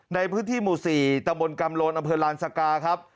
ในพื้นที่หมู่๔ตะบนกำโลนอำเภอลานสกาครับ